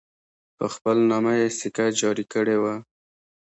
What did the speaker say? په خپل نامه یې سکه جاري کړې وه.